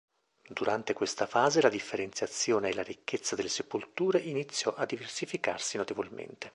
Durante questa fase la differenziazione e la ricchezza delle sepolture iniziò a diversificarsi notevolmente.